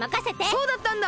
そうだったんだ！